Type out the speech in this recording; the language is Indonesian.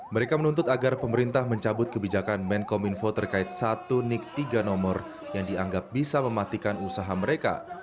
mereka menuntut agar pemerintah mencabut kebijakan menkom info terkait satu nick tiga nomor yang dianggap bisa mematikan usaha mereka